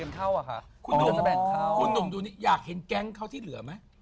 อยากเห็นแกงเขาที่เหลือไหม